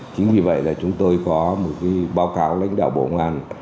chính vì vậy là chúng tôi có một báo cáo lãnh đạo bộ ngàn